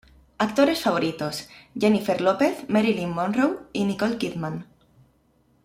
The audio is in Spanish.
Actores favoritos: Jennifer Lopez, Marilyn Monroe y Nicole Kidman.